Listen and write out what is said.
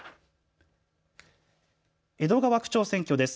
江戸川区長選挙です。